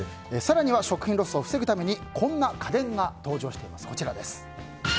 更には食品ロスを防ぐためにこんな家電が登場しています。